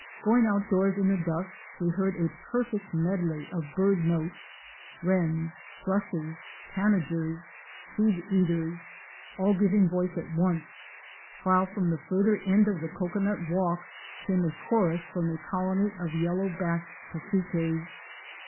Going outdoors in the dusk we heard a perfect medley of bird notes, Wrens, Thrushes, Tanagers, Seedeaters, all giving voice at once, while from the farther end of the cocoanut walk came a chorus from a colony of Yellow backed Cassiques.